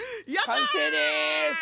完成です！